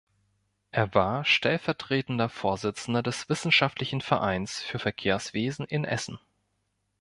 Er war stellvertretender Vorsitzender des Wissenschaftlichen Vereins für Verkehrswesen in Essen.